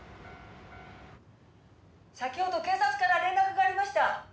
先ほど警察から連絡がありました。